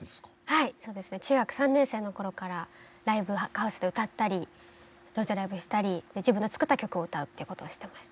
はいそうですね。中学３年生の頃からライブハウスで歌ったり路上ライブしたり自分の作った曲を歌うっていうことをしてました。